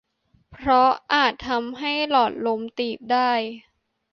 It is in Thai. เพราะอาจทำให้หลอดลมตีบได้